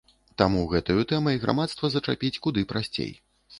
Таму гэтаю тэмай грамадства зачапіць куды прасцей.